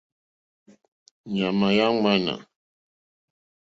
Èɲàmà yà ŋwánà.